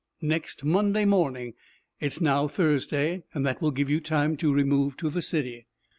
"Next Monday morning. It is now Thursday, and that will give you time to remove to the city."